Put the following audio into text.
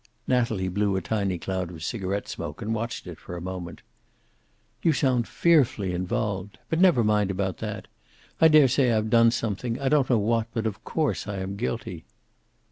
Natalie blew a tiny cloud of cigaret smoke, and watched it for a moment. "You sound fearfully involved. But never mind about that. I daresay I've done something; I don't know what, but of course I am guilty."